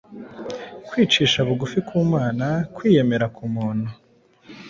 Kwicisha bugufi ku Mana, kwiyemera ku muntu,